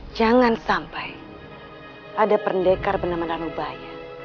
jangan sampai ada pendekar bernama ranubaya